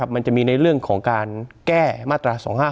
มันจะมีในเรื่องของการแก้มาตรา๒๕๖